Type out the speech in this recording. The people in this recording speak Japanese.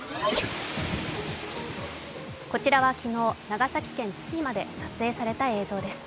こちらは昨日、長崎県対馬で撮影された映像です。